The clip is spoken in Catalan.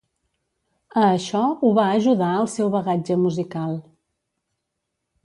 A això ho va ajudar el seu bagatge musical.